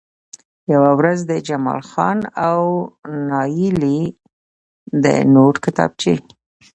يوه ورځ د جمال خان او نايلې د نوټ کتابچې